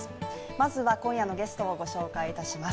まずは今夜のゲストをご紹介いたします。